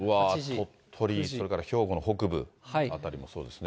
鳥取から、それから兵庫の北部辺りもそうですね。